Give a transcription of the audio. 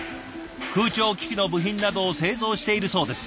空調機器の部品などを製造しているそうです。